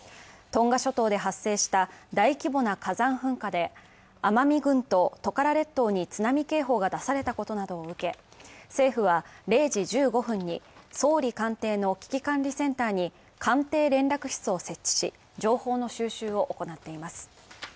トンガ諸島で発生した大規模な火山噴火で、奄美群島トカラ列島に津波警報が出されたことなどを受け、政府は０時１５分に総理官邸の危機管理センターに官邸連絡室を設置し、情報の収集を行っています。